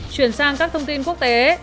chuyển sang các thông tin quốc tế